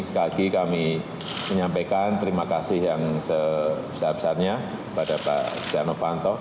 sekali lagi kami menyampaikan terima kasih yang sebesarnya kepada pak sdjanovanto